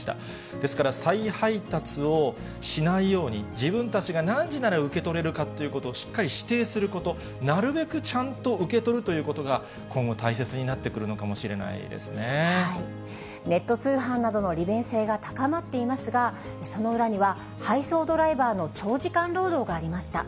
ですから、再配達をしないように、自分たちが何時なら受け取れるかということをしっかり指定すること、なるべくちゃんと受け取るということが、今後、大切になってネット通販などの利便性が高まっていますが、その裏には、配送ドライバーの長時間労働がありました。